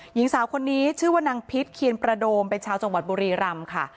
หญิงสาวคนนี้ชื่อว่านางพิษเคียนประโดมเป็นชาวจังหวัดบุรีรำค่ะ